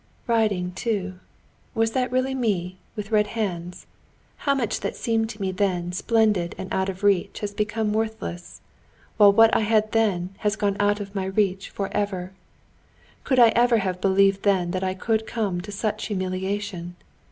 "Riding, too. Was that really me, with red hands? How much that seemed to me then splendid and out of reach has become worthless, while what I had then has gone out of my reach forever! Could I ever have believed then that I could come to such humiliation?